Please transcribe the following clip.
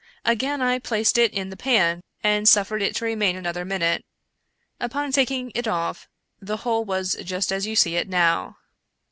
Again I placed it in the pan, and suffered it to remain another minute. Upon taking it off, the whole was just as you see it now."